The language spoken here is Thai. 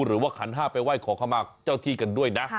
ขันห้าไปไหว้ขอเข้ามาเจ้าที่กันด้วยนะ